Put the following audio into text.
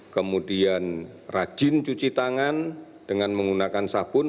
kemudian rajin cuci tangan dengan menggunakan sabun